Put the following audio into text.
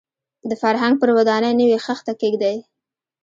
د فرهنګ پر ودانۍ نوې خښته کېږدي.